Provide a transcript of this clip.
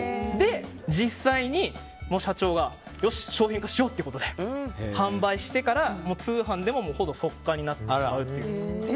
実際に社長がよし、商品化しようということで販売してから、通販でもほぼ即完売になったという。